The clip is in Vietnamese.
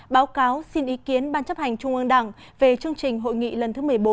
báo cáo xin ý kiến ban chấp hành trung ương đảng về chương trình hội nghị lần thứ một mươi bốn